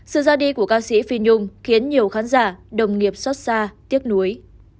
sự ra đi của ca sĩ phi nhung khiến nhiều khán giả đồng nghiệp xót xa tiếc nuối